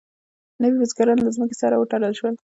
نوي بزګران له ځمکې سره وتړل شول.